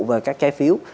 về các trái phiếu